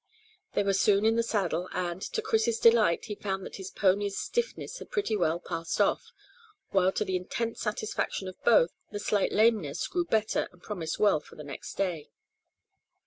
They were soon in the saddle, and, to Chris's delight, he found that his pony's stiffness had pretty well passed off, while, to the intense satisfaction of both, the slight lameness grew better and promised well for the next day.